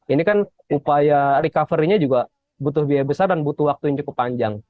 ini kan upaya recovery nya juga butuh biaya besar dan butuh waktu yang cukup panjang